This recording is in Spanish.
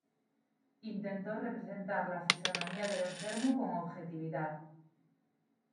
Intentó representar la fisonomía del enfermo con objetividad.